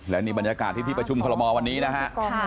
และนี่บรรยากาศที่ที่ประชุมคอลโมวันนี้นะฮะ